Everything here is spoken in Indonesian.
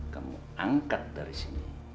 kamu angkat dari sini